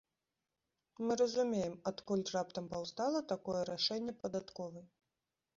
Мы разумеем, адкуль раптам паўстала такое рашэнне падатковай.